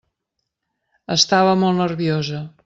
Estava molt nerviosa.